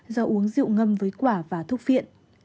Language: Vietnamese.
do uống rượu ngâm với quả và thuốc viện